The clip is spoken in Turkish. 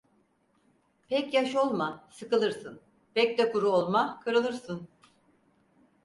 Pek yaş olma, sıkılırsın; pek de kuru olma, kırılırsın.